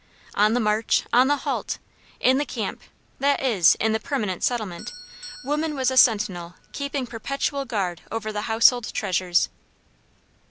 On the march, on the halt, in the camp, that is, in the permanent settlement, woman was a sentinel keeping perpetual guard over the household treasures.